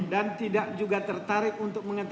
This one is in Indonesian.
dan tidak juga tertarik untuk mengetahuinya